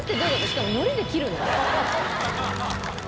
しかも海苔で切るの？